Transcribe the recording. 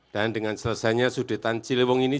dan dengan selesainya sodetan ciriwung ini